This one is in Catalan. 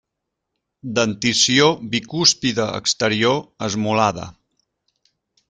Dentició bicúspide exterior esmolada.